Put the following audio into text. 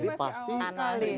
ini masih awal sekali